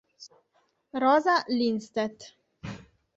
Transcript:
Rosa Lindstedt